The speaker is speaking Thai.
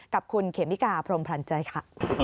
กับคุณเขมิกาพรมพลันใจค่ะ